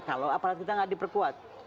kalau aparat kita nggak diperkuat